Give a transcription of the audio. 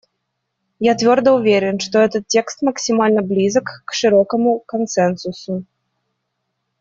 Я твердо уверен, что этот текст максимально близок к широкому консенсусу.